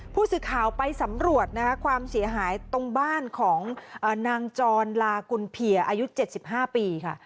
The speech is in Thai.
ผู้สื่อข่าวไปสำรวจนะคะความเสียหายตรงบ้านของนางจรลากุลเพียอายุ๗๕ปีค่ะ